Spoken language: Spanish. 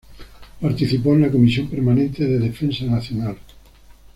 Participó de la comisión permanente de Defensa Nacional.